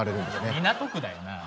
港区だよなあ。